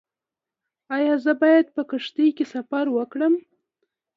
ایا زه باید په کښتۍ کې سفر وکړم؟